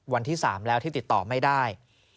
วันที่๓แล้วที่ติดต่อไม่ได้